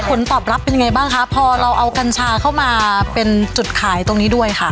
ผลตอบรับเป็นยังไงบ้างคะพอเราเอากัญชาเข้ามาเป็นจุดขายตรงนี้ด้วยค่ะ